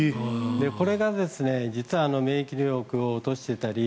これが実は免疫力を落としてたり